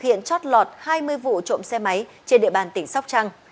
nguyễn hoàng khải đã thực hiện chót lọt hai mươi vụ trộm xe máy trên địa bàn tỉnh sóc trăng